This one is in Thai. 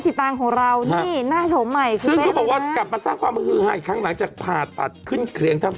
ใส่เดี๋ยวกันรึเปล่าไหมเนี่ย